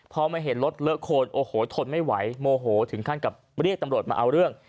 พอมาเห็นรถเลอะโคนโอ้โหทนไม่ไหวโมโหถึงขั้นกับเรียกตำรวจมาเอาเรื่อง